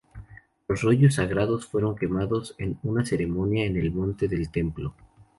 Los rollos sagrados fueron quemados en una ceremonia en el Monte del Templo.